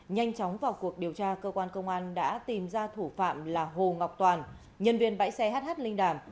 nhanh chóng vào cuộc điều tra cơ quan công an đã tìm ra thủ phạm là hồ ngọc toàn nhân viên bãi xe hh linh đàm